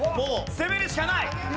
攻めるしかない！